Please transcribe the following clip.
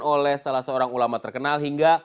oleh salah seorang ulama terkenal hingga